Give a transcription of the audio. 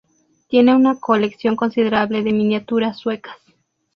Tiene una colección considerable de miniaturas suecas.